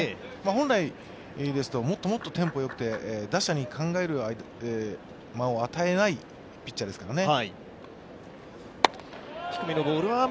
本来、もっともっとテンポよくて、打者に考える間を与えないピッチャーですからね